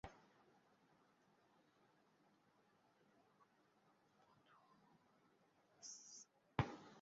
Munro লস অ্যাঞ্জেলেসে জন্মগ্রহণ করেছিলেন এবং বেড়ে উঠেছিলেন।